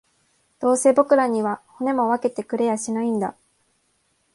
どうせ僕らには、骨も分けてくれやしないんだ